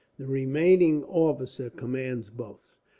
The remaining officer commands both."